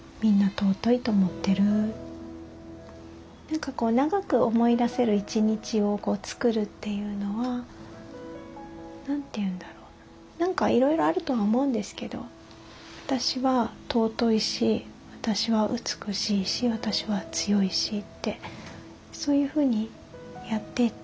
何かこう長く思い出せる一日を作るっていうのは何て言うんだろう何かいろいろあるとは思うんですけど私は尊いし私は美しいし私は強いしってそういうふうにやっていってほしい。